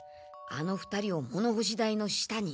あの２人を物ほし台の下に。